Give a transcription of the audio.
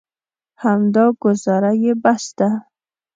همدا ګوزاره یې بس ده.